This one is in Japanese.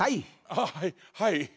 あっはいはい。